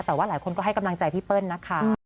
แต่ว่าหลายคนก็ให้กำลังใจพี่เปิ้ลนะคะ